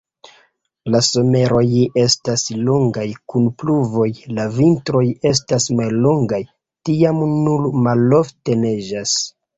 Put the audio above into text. La someroj estas longaj kun pluvoj, la vintroj estas mallongaj, tiam nur malofte neĝas.